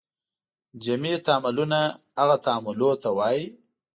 جمعي تعاملونه هغه تعاملونو ته وایي.